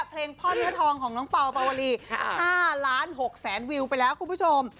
เพลงพ่อเนื้อทองของน้องเป่าปาวลี๕ล้าน๖แสนวิวไปแล้วคุณผู้ชม